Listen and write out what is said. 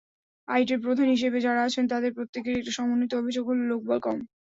আইটির প্রধান হিসেবে যাঁরা আছেন, তাঁদের প্রত্যেকেরই একটি সমন্বিত অভিযোগ হলো—লোকবল কম।